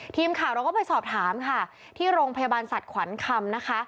ทีมข่าวเราก็ไปสอบถามค่ะที่โรงพยาบาลสัตว์ขวัญคำนะคะ